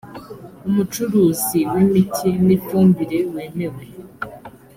umucuruzi w imiti n ifumbire wemewe